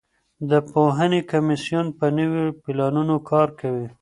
د پوهنې کمیسیون په نویو پلانونو کار کوي.